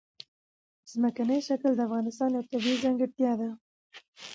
ځمکنی شکل د افغانستان یوه طبیعي ځانګړتیا ده.